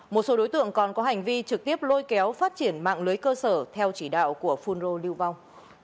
một số đối tượng còn có hành vi trực tiếp lôi kéo phát triển mạng lưới cơ sở theo chỉ đạo của phun rô lưu vong